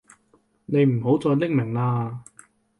你唔好再匿名喇